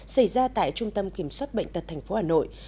xảy ra tại trung tâm kiểm soát bệnh tật tp hà nội